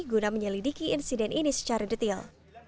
guna menyelidiki insiden ini secara detail